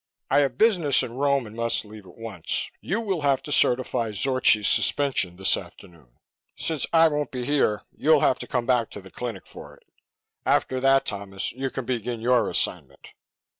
"I have business in Rome and must leave at once. You will have to certify Zorchi's suspension this afternoon; since I won't be here, you'll have to come back to the clinic for it. After that, Thomas, you can begin your assignment."